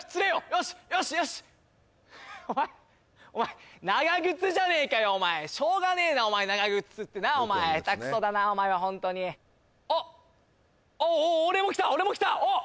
よしよしよしお前お前しょうがねえなお前長靴ってなお前下手くそだなお前は本当にあっ俺も来た俺も来たおっ